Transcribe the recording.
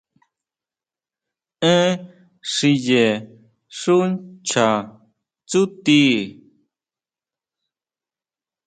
Én xiye xu ncha tsúti.